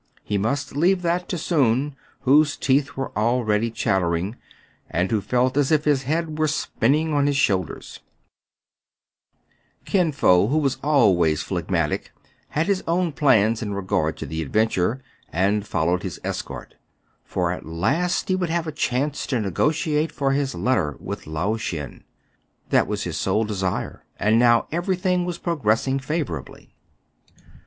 He must leave that to Soun, whose teeth were already chattering, and who felt as if his head were spinning on his shoulders. 26o TRIBULATIONS OF A CHTNAMAN. Kin Fo, who was always phicgmatic, bad his own plans in regard to the adventure, and followed his escort ; for at last he would have a chance to nego tiate for his letter with Lao Shen. That was his sole desire, and now every thing was progressing favorably.